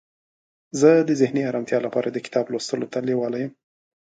زه د ذهني آرامتیا لپاره د کتاب لوستلو ته لیواله یم.